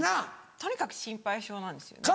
とにかく心配性なんですよね。か